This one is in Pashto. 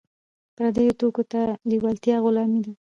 پردیو توکو ته لیوالتیا غلامي ده.